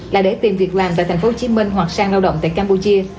là để tìm việc làm tại tp hcm hoặc sang lao động tại campuchia